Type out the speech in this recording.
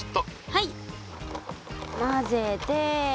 はいまぜて。